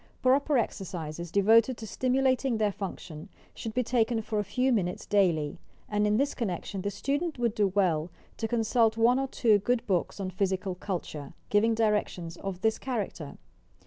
Proper exercises, devoted to stimulating their function, should be taken for a few minutes daily; and in this connection the student would do well to consult one or two good books on physical culture, — giving directioua of this character.